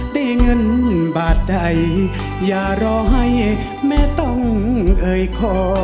ได้เงินบาทใดอย่ารอให้แม่ต้องเอ่ยคอ